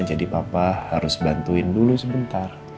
jadi papa harus bantuin dulu sebentar